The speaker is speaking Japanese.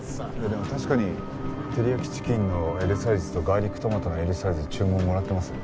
でも確かに照り焼きチキンのＬサイズとガーリックトマトのＬサイズ注文もらってます。